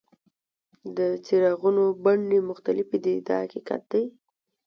د څراغونو بڼې مختلفې دي دا حقیقت دی.